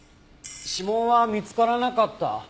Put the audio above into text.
指紋は見つからなかった。